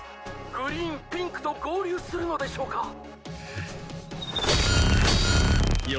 グリーンピンクと合流するのでしょうかよ